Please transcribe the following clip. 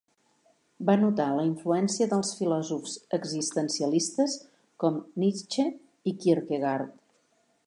Va notar la influència dels filòsofs existencialistes com Nietzsche i Kierkegaard.